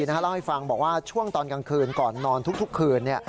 เล่าให้ฟังบอกว่าช่วงตอนกลางคืนก่อนนอนทุกคืน